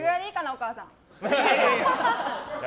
お母さん。